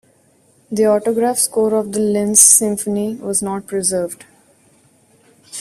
The autograph score of the "Linz Symphony" was not preserved.